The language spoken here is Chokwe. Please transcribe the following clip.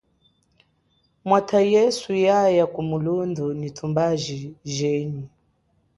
Mwatha yesu yaya kumulundhu nyi tumbaji jenyi.